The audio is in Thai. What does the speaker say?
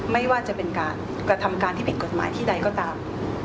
ไม่ว่าจะเป็นการกระทำการที่ผิดกฎหมายที่ใดก็ตาม